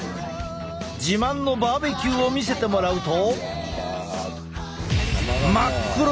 自慢のバーベキューを見せてもらうと。